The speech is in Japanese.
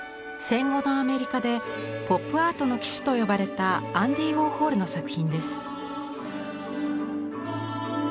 戦後のアメリカでポップアートの旗手と呼ばれたアンディ・ウォーホルの作品です。